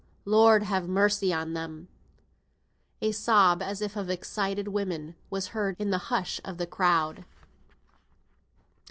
Lord have mercy on them!" A sob, as if of excited women, was heard in the hush of the crowd.